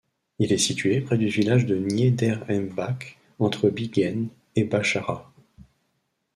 Il est situé près du village de Niederheimbach entre Bingen et Bacharach.